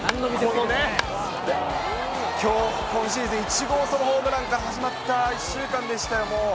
このね、今シーズン１号ソロホームランから始まった１週間でしたよ、もう。